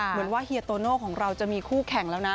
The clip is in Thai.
เหมือนว่าเฮียโตโน่ของเราจะมีคู่แข่งแล้วนะ